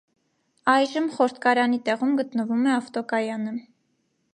Այժմ խորտկարանի տեղում գտնվում է ավտոկայանը։